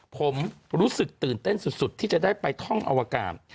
ผมรู้สึกตื่นเต้นสุดที่จะได้ไปท่องอวกาศ